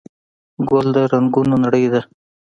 ګل د رنګونو نړۍ ده.